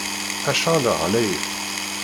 Acḥal ɣlayet!